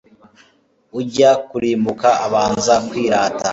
Ujya kurimbuka abanza kwirata